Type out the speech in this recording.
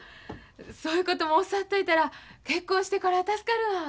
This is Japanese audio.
そういうことも教わっといたら結婚してから助かるわ。